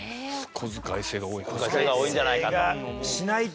こづかい制が多いんじゃないかと。